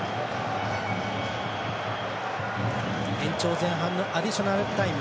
延長前半のアディショナルタイム